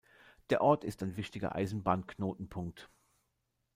Der Ort ist ein wichtiger Eisenbahnknotenpunkt.